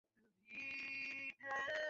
এটা তোর আর তোর পরিবারের জন্য কিছু করার সময়।